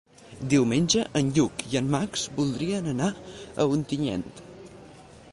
Diumenge en Lluc i en Max voldrien anar a Ontinyent.